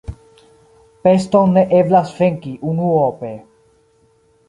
Peston ne eblas venki unuope.